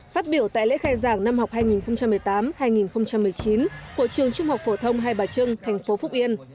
phát biểu tại lễ khai giảng năm học hai nghìn một mươi tám hai nghìn một mươi chín của trường trung học phổ thông hai bà trưng thành phố phúc yên